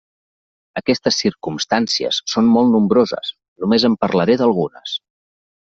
Aquestes circumstàncies són molt nombroses; només en parlaré d'algunes.